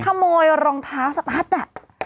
ขโมยรองเท้าสตั๊ดอ่ะ